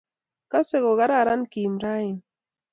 Kasee kogararan Kim raini